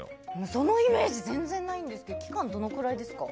そのイメージ全然ないんですけど期間、どのくらいですか。